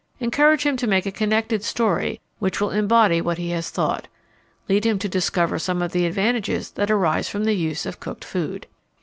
Encourage him to make a connected story which will embody what he has thought. Lead him to discover some of the advantages that arise from the use of cooked food.